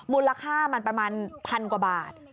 มูลค่ามันประมาณพันกว่าบาท